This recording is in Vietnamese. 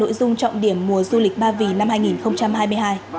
đây là nội dung trọng điểm mùa du lịch ba vì năm hai nghìn hai mươi hai